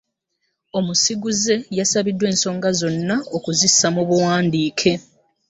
Omusiguze yasabiddwa ensonga zonna okuzissa mu buwandiike.